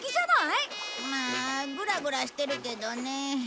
まあグラグラしてるけどね。